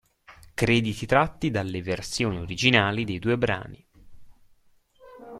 Crediti tratti dalle versioni originali dei due brani.